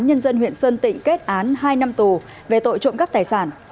nhân dân huyện sơn tịnh kết án hai năm tù về tội trộm cắp tài sản